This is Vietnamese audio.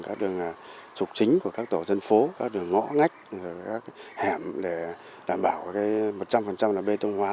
các đường trục chính của các tổ dân phố các đường ngõ ngách các hẻm để đảm bảo một trăm linh là bê tông hóa